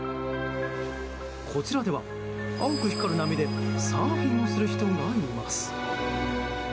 こちらでは青く光る波でサーフィンをする人がいます。